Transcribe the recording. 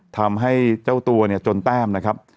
ทำให้เจ้าตัวเนี่ยจนแต้มนะครับ